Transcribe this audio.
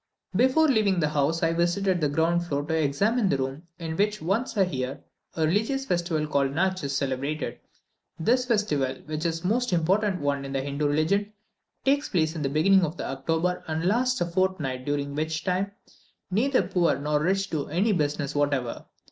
Before leaving the house, I visited the ground floor to examine the room, in which, once a year, the religious festival called Natch is celebrated. This festival, which is the most important one in the Hindoo religion, takes place in the beginning of October, and lasts a fortnight, during which time neither poor nor rich do any business whatever.